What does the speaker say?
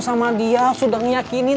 sama dia sudah ngeyakinin